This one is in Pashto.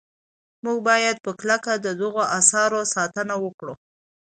موږ باید په کلکه د دغو اثارو ساتنه وکړو.